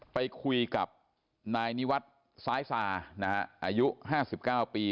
ไปคุยกับนายนิวัตรซ้ายซานะฮะอายุ๕๙ปี